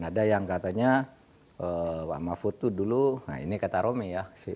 ada yang katanya pak mahfud itu dulu nah ini kata romy ya